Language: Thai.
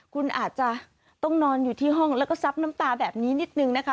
คุณอาจจะต้องนอนอยู่ที่ห้องแล้วก็ซับน้ำตาแบบนี้นิดนึงนะคะ